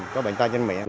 có bệnh tay chân miệng